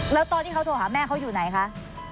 แล้วตอนที่เขาโทรหาแม่เขาอยู่ไหนคะ